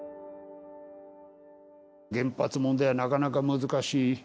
原発問題はなかなか難しい。